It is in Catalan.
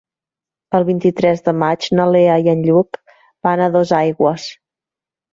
El vint-i-tres de maig na Lea i en Lluc van a Dosaigües.